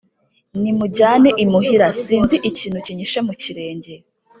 Nimunjyane imuhira, sinzi ikintu kinyishe mu kirenge